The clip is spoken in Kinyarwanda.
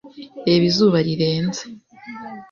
Reba izuba rirenze!